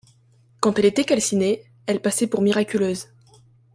Quand elle était calcinée, elle passait pour miraculeuse.